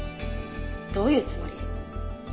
どういうつもり？